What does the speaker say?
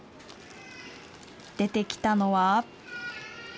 出てきたのは。